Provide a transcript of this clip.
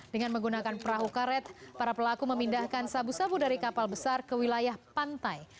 dengan menggunakan perahu karet para pelaku memindahkan sabu sabu dari kapal besar ke wilayah pantai